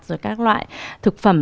rồi các loại thực phẩm